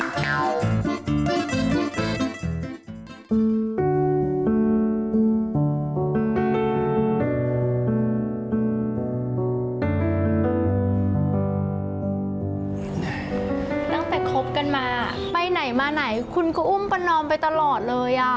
ตั้งแต่คบกันมาไปไหนมาไหนคุณก็อุ้มประนอมไปตลอดเลยอ่ะ